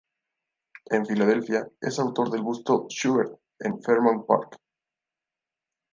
En Filadelfia es autor del busto de Schubert en el Fairmount Park.